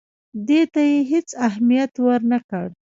دې ته یې هېڅ اهمیت ورنه کړ.